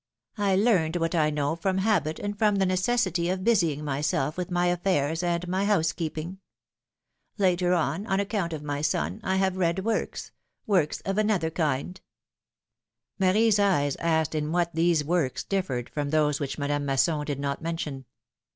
I learned what I know from habit and from the necessity of busying myself with my affairs and my housekeeping. Later, on account of my son, I have read 'works — works of another kind/^ Marie's eyes asked in what these works differed from those which Madame Masson did not mention.